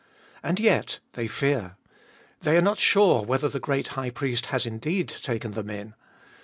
And yet they fear. They are not sure whether the great High Priest has indeed taken them in.